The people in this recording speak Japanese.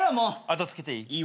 後つけていい？